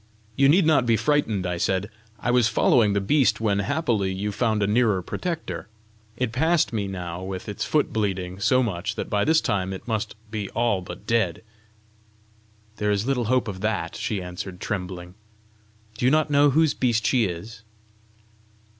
"You need not be frightened," I said. "I was following the beast when happily you found a nearer protector! It passed me now with its foot bleeding so much that by this time it must be all but dead!" "There is little hope of that!" she answered, trembling. "Do you not know whose beast she is?"